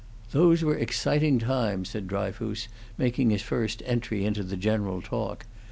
"Those were exciting times," said Dryfoos, making his first entry into the general talk.